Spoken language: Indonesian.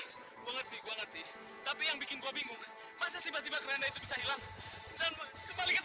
sampai kapanpun keranda mayat itu akan terus mengejar kalian